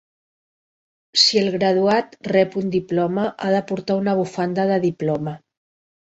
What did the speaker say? Si el graduat rep un diploma ha de portar una bufanda de diploma.